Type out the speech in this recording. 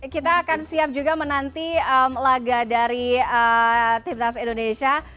kita akan siap juga menanti laga dari timnas indonesia